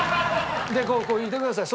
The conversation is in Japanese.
こういてください。